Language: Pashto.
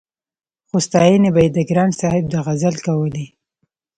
خو ستاينې به يې د ګران صاحب د غزل کولې-